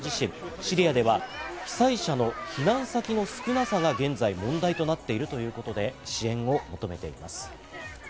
シリアでは被災者の避難先の少なさが現在問題となっているということで、支援を求めています。